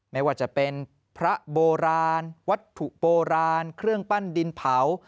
ไม่ว่าจะเป็นพระโบราณวัตถุโบราณเครื่องปั้นดินเผา